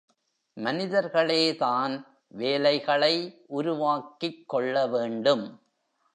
மனிதர்களேதான் வேலைகளை உருவாக்கிக் கொள்ளவேண்டும்.